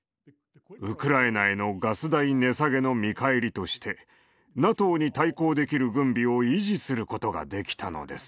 ウクライナへのガス代値下げの見返りとしてＮＡＴＯに対抗できる軍備を維持することができたのです。